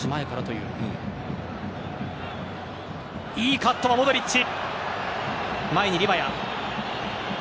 いいカット、モドリッチ！